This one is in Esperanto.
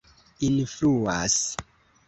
influas